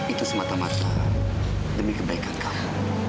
itu semata mata demi kebaikan kami